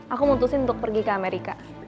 aku mutusin untuk pergi ke amerika